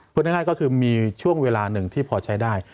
พูดง่ายก็คือมีช่วงเวลาหนึ่งที่พอใช้ได้